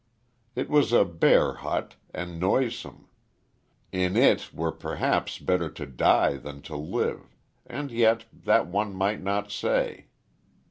It was a bare hut, and noisome. In it it were perhaps better to die than to live; and yet that one might not say.